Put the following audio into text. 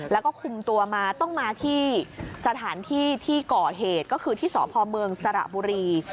แล้วก็คุมตัวมาต้องมาที่สถานที่ที่ก่อเหตุก็คือที่สพเมืองสระบุรี